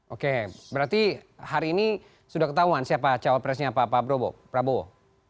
oke berarti hari ini sudah ketahuan siapa cawapresnya pak prabowo